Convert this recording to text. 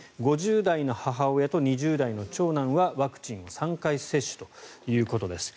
５０代の母親と２０代の長男はワクチンを３回接種ということです。